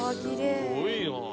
すごいな！